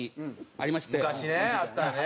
昔ねあったね。